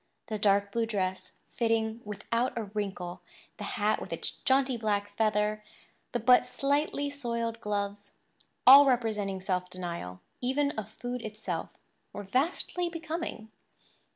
The dark blue dress, fitting without a wrinkle, the hat with its jaunty black feather, the but slightly soiled gloves—all representing self denial, even of food itself—were vastly becoming.